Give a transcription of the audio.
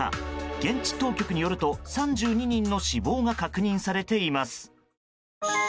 現地当局によると３２人の死亡が確認されています。